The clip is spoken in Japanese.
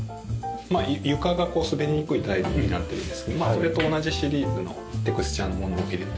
床が滑りにくいタイルになってるんですけどそれと同じシリーズのテクスチャのものを入れて。